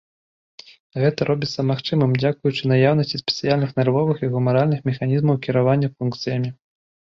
Гэта робіцца магчымым дзякуючы наяўнасці спецыяльных нервовых і гумаральных механізмаў кіравання функцыямі.